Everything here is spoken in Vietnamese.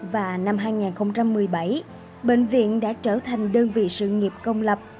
và năm hai nghìn một mươi bảy bệnh viện đã trở thành đơn vị sự nghiệp công lập